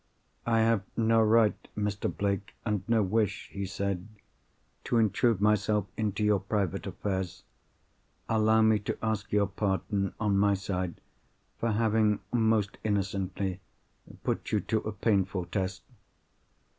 "I have no right, Mr. Blake, and no wish," he said, "to intrude myself into your private affairs. Allow me to ask your pardon, on my side, for having (most innocently) put you to a painful test."